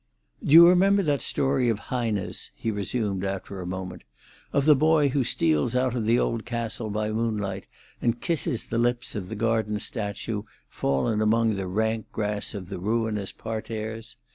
"Do you remember that story of Heine's," he resumed, after a moment, "of the boy who steals out of the old castle by moonlight, and kisses the lips of the garden statue, fallen among the rank grass of the ruinous parterres?